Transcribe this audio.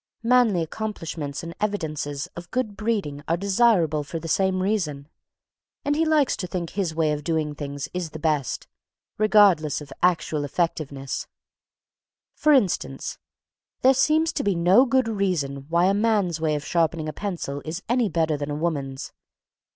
Manly accomplishments and evidences of good breeding are desirable for the same reason, and he likes to think his way of doing things is the best, regardless of actual effectiveness. [Sidenote: Pencils] For instance, there seems to be no good reason why a man's way of sharpening a pencil is any better than a woman's.